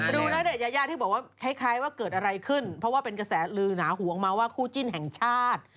ณเดชนยายาที่บอกว่าคล้ายว่าเกิดอะไรขึ้นเพราะว่าเป็นกระแสลือหนาหวงมาว่าคู่จิ้นแห่งชาติ